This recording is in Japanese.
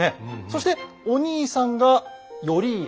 そしてお兄さんが頼家。